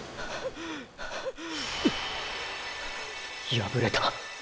敗れた。